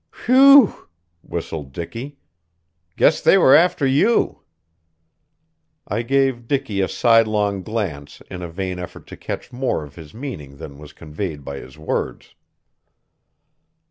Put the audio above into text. "Whew!" whistled Dicky. "Guess they were after you." I gave Dicky a sidelong glance in a vain effort to catch more of his meaning than was conveyed by his words.